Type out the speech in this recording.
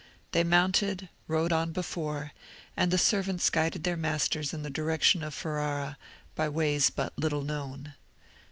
They mounted, rode on before, and the servants guided their masters in the direction of Ferrara by ways but little known.